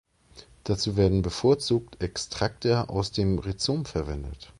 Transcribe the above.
Dazu werden bevorzugt Extrakte aus dem Rhizom verwendet.